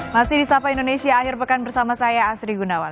masih di sapa indonesia akhir pekan bersama saya asri gunawan